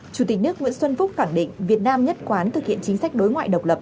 chủ tịch nước nguyễn xuân phúc khẳng định việt nam nhất quán thực hiện chính sách đối ngoại độc lập